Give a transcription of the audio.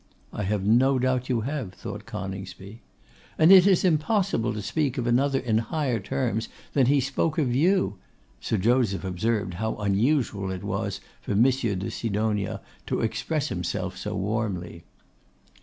'I have no doubt you have,' thought Coningsby. 'And it is impossible to speak of another in higher terms than he spoke of you.' Sir Joseph observed how unusual it was for Monsieur de Sidonia to express himself so warmly.